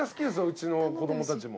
うちの子供たちも。